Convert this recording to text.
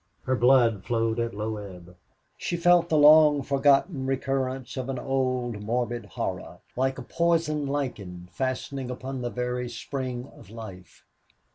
Her blood flowed at low ebb. She felt the long forgotten recurrence of an old morbid horror, like a poison lichen fastening upon the very spring of life.